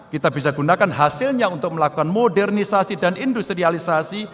kita bisa gunakan hasilnya untuk melakukan modernisasi dan industrialisasi